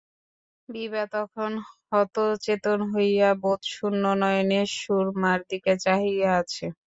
বিভা তখন হতচেতন হইয়া বোধশূন্য নয়নে সুরমার দিকে চাহিয়া আছে।